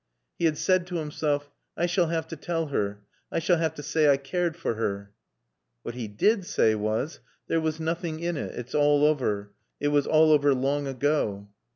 He had said to himself, "I shall have to tell her. I shall have to say I cared for her." What he did say was, "There was nothing in it. It's all over. It was all over long ago."